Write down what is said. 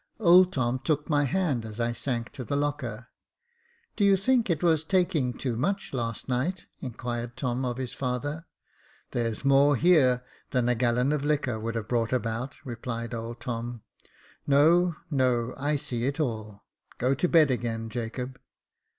Old Tom took my hand as I sank on the locker. Do you think that it was taking too much last night ?" inquired Tom of his father. There's more here than a gallon of liquor would have 1 86 Jacob Faithful brought about," replied old Tom. "No, no — I see it all. Go to bed again, Jacob."